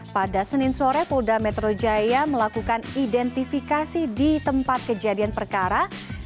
pada senin sore polda metro jaya melakukan identifikasi di tempat kejadian perkara